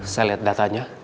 saya lihat datanya